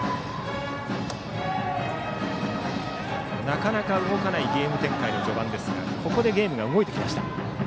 なかなか動かないゲーム展開の序盤でしたがここでゲームが動いてきました。